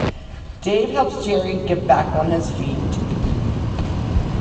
Dave helps Jerry get back on his feet.